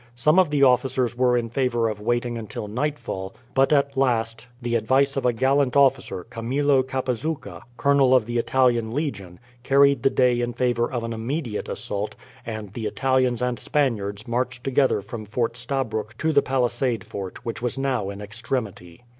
Some of the officers were in favour of waiting until nightfall; but at last the advice of a gallant officer, Camillo Capizucca, colonel of the Italian Legion, carried the day in favour of an immediate assault, and the Italians and Spaniards marched together from Fort Stabroek to the Palisade Fort, which was now in extremity.